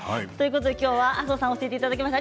今日は麻生さんに教えていただきました。